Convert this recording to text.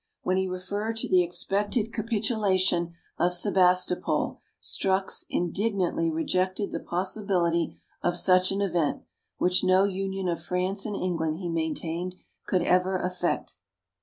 When he referred to the expected capitulation of Sebastopol, Strux indignantly rejected the possibility of such an event, which no union of France and England, he maintained, could ever effect.